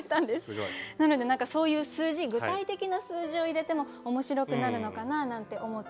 なのでそういう数字具体的な数字を入れても面白くなるのかななんて思って。